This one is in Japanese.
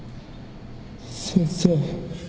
先生。